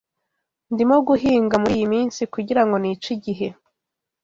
Ndimo guhinga muriyi minsi kugirango nice igihe.